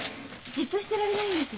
じっとしてられないんです。